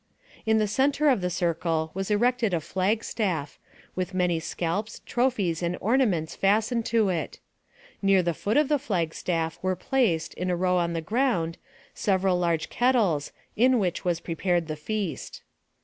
la the center of the circle was erected a flag staff, with many scalps, trophies, and ornaments fastened to it. Near the foot of the flag staff were placed, in a row on the ground, several large kettles, in which was prepared the feast.